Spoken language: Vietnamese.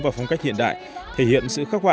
và phong cách hiện đại thể hiện sự khắc họa